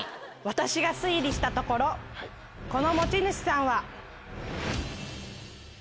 私が推理したところこの持ち主さんは。